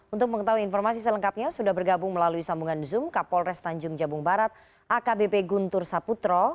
untuk mengetahui informasi selengkapnya sudah bergabung melalui sambungan zoom kapolres tanjung jabung barat akbp guntur saputro